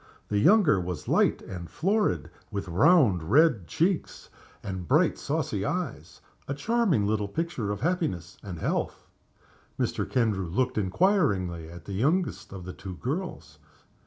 The younger was light and florid, with round red cheeks and bright, saucy eyes a charming little picture of happiness and health. Mr. Kendrew looked inquiringly at the youngest of the two girls.